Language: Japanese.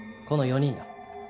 この４人だ。